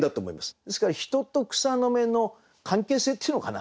ですから人と草の芽の関係性っていうのかな